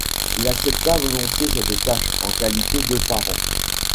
Il accepta volontiers cette tâche, en qualité de parent.